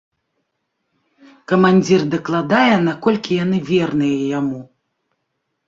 Камандзір дакладае, наколькі яны верныя яму.